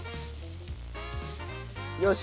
よし！